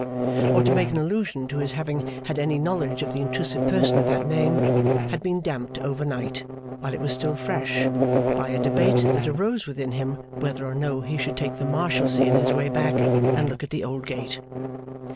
or to make an allusion to his having had any knowledge of the intrusive person of that name, had been damped over night, while it was still fresh, by a debate that arose within him whether or no he should take the Marshalsea in his way back, and look at the old gate.